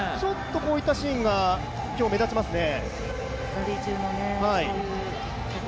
こういったシーンが今日、目立ちますね。